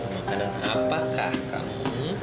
makanan apakah kamu